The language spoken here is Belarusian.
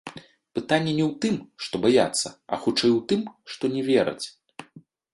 Пытанне не ў тым, што баяцца, а хутчэй у тым, што не вераць.